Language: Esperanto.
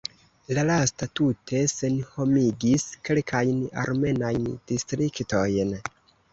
La lasta tute senhomigis kelkajn armenajn distriktojn.